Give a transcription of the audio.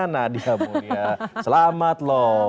nadia munia selamat loh